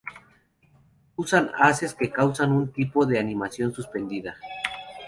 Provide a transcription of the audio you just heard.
Usan haces que causan un tipo de "animación suspendida".